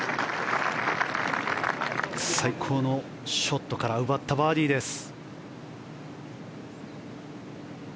最高のショットから奪ったバーディーです。